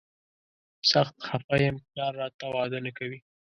سخت خفه یم، پلار راته واده نه کوي.